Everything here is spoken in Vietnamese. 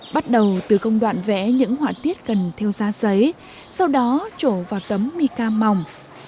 bắt đầu từ công đoạn vẽ những họa tiết cần theo ra giấy sau đó trổ vào tấm mica mỏng